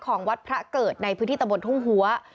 ของวัดพระเกิดในพื้นที่ตะบนทุ่งหัว